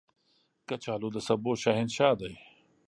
کچالو د سبو شهنشاه دی